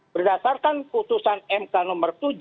berdasarkan putusan mk nomor tujuh